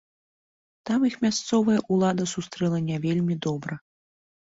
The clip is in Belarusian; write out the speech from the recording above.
Там іх мясцовая ўлада сустрэла не вельмі добра.